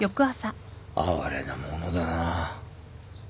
哀れなものだな。